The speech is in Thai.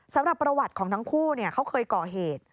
สำหรับประวัติของทั้งคู่เขาเคยก่อเหตุ